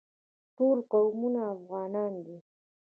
ټول قومونه افغانان دي